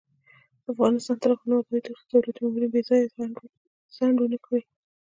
افغانستان تر هغو نه ابادیږي، ترڅو دولتي مامورین بې ځایه ځنډ ونه کړي.